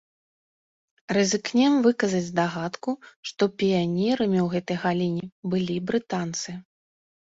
Рызыкнем выказаць здагадку, што піянерамі ў гэтай галіне былі брытанцы.